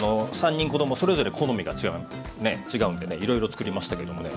３人子供それぞれ好みが違うんでねいろいろ作りましたけどもね